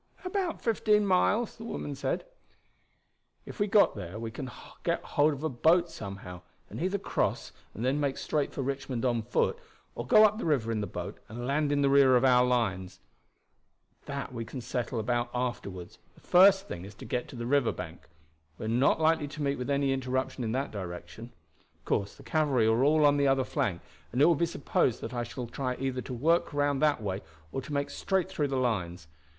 "About fifteen miles," the woman said. "If we got there we can get hold of a boat somehow, and either cross and then make straight for Richmond on foot, or go up the river in the boat and land in the rear of our lines. That we can settle about afterward. The first thing is to get to the river bank. We are not likely to meet with any interruption in that direction. Of course the cavalry are all on the other flank, and it will be supposed that I shall try either to work round that way or to make straight through the lines.